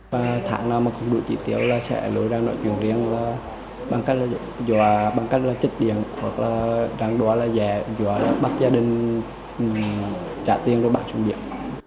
bằng cách là chích điện hoặc là đoán là về do bắt gia đình trả tiền rồi bắt xuống điện